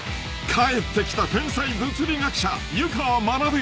［帰ってきた天才物理学者湯川学］